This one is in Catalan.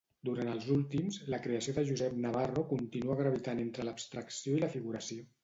Durant els últims, la creació de Josep Navarro continua gravitant entre l'abstracció i la figuració.